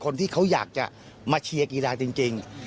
คนที่เขาอยากจะมาเชียร์กีฬาจริง